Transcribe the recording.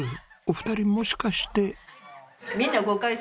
お二人もしかして？